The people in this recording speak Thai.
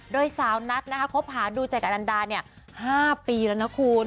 โดยสาวนัดนะครับคบหาดูใจกับอันนานดาเนี่ย๕ปีแล้วนะคุณ